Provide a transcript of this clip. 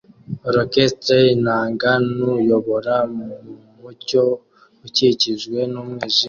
Orchestre inanga nuyobora mu mucyo ukikijwe n'umwijima